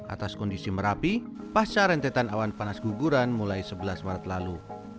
atas kondisi merapi pasca rentetan awan panas guguran mulai sebelas maret lalu